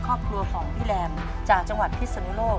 ครอบครัวของพี่แรมจากจังหวัดพิศนุโลก